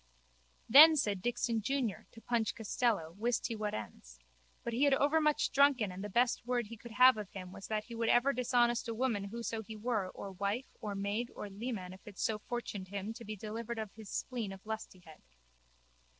Then said Dixon junior to Punch Costello wist he what ends. But he had overmuch drunken and the best word he could have of him was that he would ever dishonest a woman whoso she were or wife or maid or leman if it so fortuned him to be delivered of his spleen of lustihead.